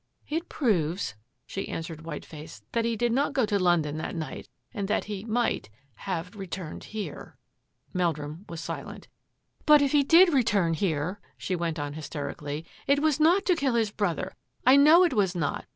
" It proves," she answered, white faced, " that he did not go to London that night and that he — might — have — returned — here." Meldrum was silent. " But if he did return here," she went on hys terically, " it was not to kill his brother. I know it was not.